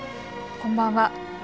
こんばんは。